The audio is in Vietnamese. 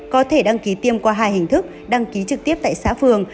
có thể đăng ký tiêm qua hai hình thức đăng ký trực tiếp tại xã phường